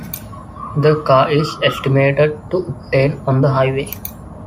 The car is estimated to obtain on the highway.